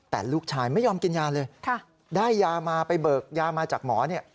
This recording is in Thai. แต่ลูกชายไม่ยอมกินยาเลยได้ยามาไปเบิกยามาจากหมอเนี่ย